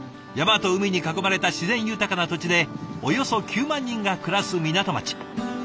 山と海に囲まれた自然豊かな土地でおよそ９万人が暮らす港町。